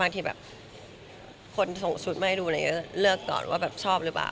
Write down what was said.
บางทีคนส่งชุดมาให้ดูก็เลือกก่อนว่าชอบหรือเปล่า